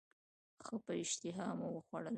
ښه په اشتهامو وخوړله.